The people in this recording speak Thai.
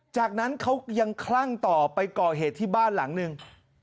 จากนั้นเขายังคลั่งต่อไปก่อเหตุที่บ้านหลังหนึ่ง